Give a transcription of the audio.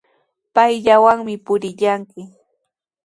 Payllawanmi purillanki.